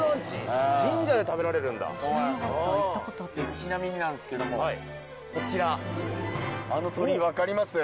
ちなみになんですけどもこちらあっ鳥居がある。